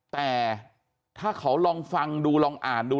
แต่ถ้าเขาลองฟังดูลองอ่านดู